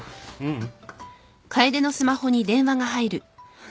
うん。